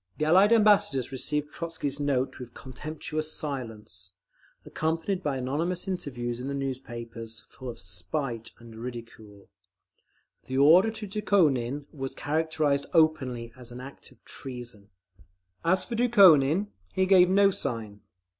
The Allied Ambassadors received Trotzky's note with contemptuous silence, accompanied by anonymous interviews in the newspapers, full of spite and ridicule. The order to Dukhonin was characterised openly as an act of treason…. As for Dukhonin, he gave no sign.